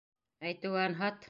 Әйтеүе анһат.